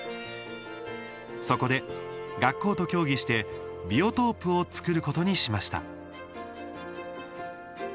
そこで、学校と協議してビオトープを作ることにしました。